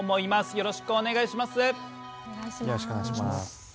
よろしくお願いします。